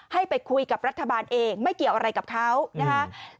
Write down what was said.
ให้ไปคุยกับรัฐบาลเองไม่เกี่ยวอะไรกับเขานะครับ